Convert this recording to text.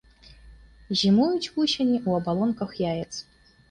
Зімуюць вусені ў абалонках яец.